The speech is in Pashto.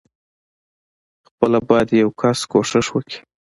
خپله بايد يو کس کوښښ وکي.